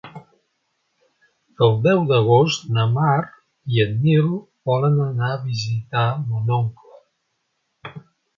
El deu d'agost na Mar i en Nil volen anar a visitar mon oncle.